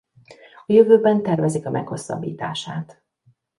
A jövőben tervezik a meghosszabbítását.